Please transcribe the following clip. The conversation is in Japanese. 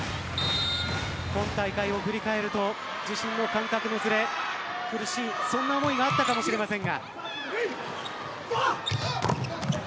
今大会を振り返ると自身の感覚のずれ苦しい、そんな思いがあったかもしれません。